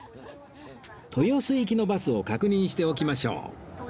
豊洲行きのバスを確認しておきましょう